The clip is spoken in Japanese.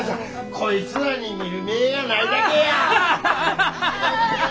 こいつらに見る目ぇがないだけや！